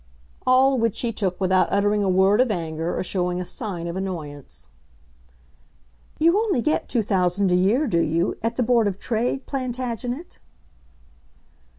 All which he took without uttering a word of anger, or showing a sign of annoyance. "You only get two thousand a year, do you, at the Board of Trade, Plantagenet?"